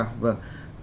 một ấn tượng rất cao